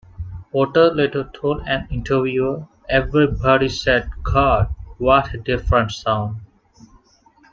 Porter later told an interviewer: Everybody said, 'God, what a different sound!